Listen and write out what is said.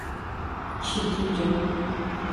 Çirkince.